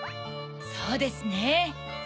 そうですね。